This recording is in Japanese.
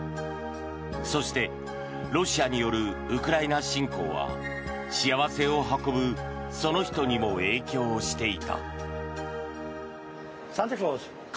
そして、ロシアによるウクライナ侵攻は幸せを運ぶその人にも影響していた。